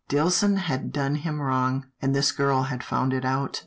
Dillson had done him some wrong, and this girl had found it out.